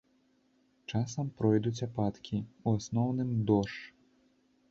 Часам пройдуць ападкі, у асноўным дождж.